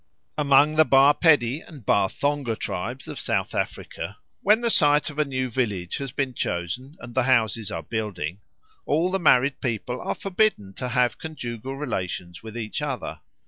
Among the Ba Pedi and Ba Thonga tribes of South Africa, when the site of a new village has been chosen and the houses are building, all the married people are forbidden to have conjugal relations with each other.